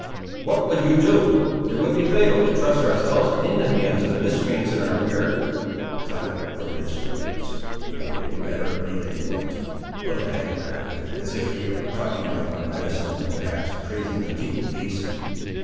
"What would you do? It would be fatal to trust ourselves in the hands of the miscreants in our rear." "Tut, for miscreants, be they red or be they white. Look ahead, lad, as if ye were talking of our medicines, or perhaps praising the Teton beasts.